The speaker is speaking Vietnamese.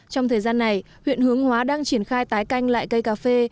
trong thời gian này huyện hướng hóa đang triển khai tái canh lại cây cà phê